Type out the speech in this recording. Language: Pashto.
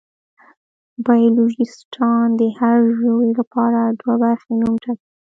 بایولوژېسټان د هر ژوي لپاره دوه برخې نوم ټاکي.